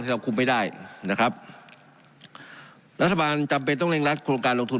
เราคุมไม่ได้นะครับรัฐบาลจำเป็นต้องเร่งรัดโครงการลงทุน